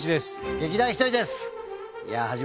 劇団ひとりです。